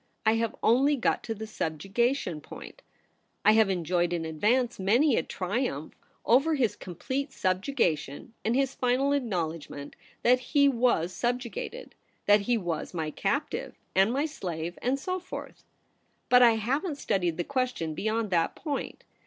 1 have only got to the subjugation point ; I have enjoyed in advance many a triumph over his complete subjugation and his final acknowledgment that i86 THE REBEL ROSE. he was subjugated ; that he was my captive and my slave, and so forth. But I haven't studied the question beyond that point.